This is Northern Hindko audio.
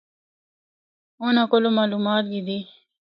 اُنّاں کولو معلومات گِدّی۔